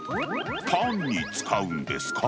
パンに使うんですか？